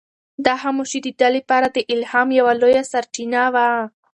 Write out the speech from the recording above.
دا خاموشي د ده لپاره د الهام یوه لویه سرچینه وه.